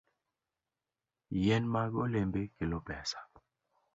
Yien mag olembe kelo pesa.